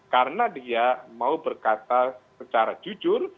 karena dia mau berkata secara jujur